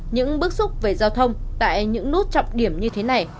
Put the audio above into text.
những bước xúc về giao thông tại những nút trọc điểm như thế này